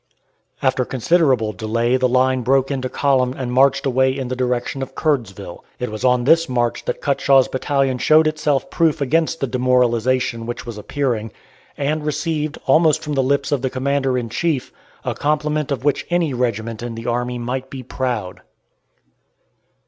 After considerable delay the line broke into column and marched away in the direction of Curdsville. It was on this march that Cutshaw's battalion showed itself proof against the demoralization which was appearing, and received, almost from the lips of the Commander in Chief, a compliment of which any regiment in the army might be proud.